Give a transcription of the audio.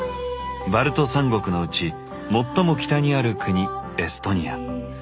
バルト三国のうち最も北にある国エストニア。